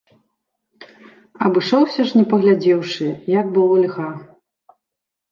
Абышоўся ж не паглядзеўшы, як было льга.